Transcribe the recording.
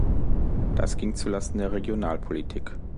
Das ging zu Lasten der Regionalpolitik.